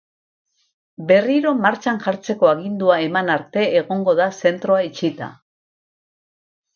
Berriro martxan jartzeko agindua eman arte egongo da zentroa itxita.